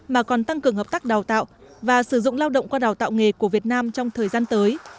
mà còn tăng cường hợp tác đào tạo và sử dụng lao động qua đào tạo nghề của việt nam trong thời gian tới